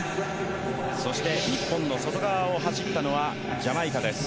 そして、日本の外側を走ったのはジャマイカです。